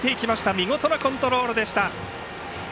見事なコントロールでした。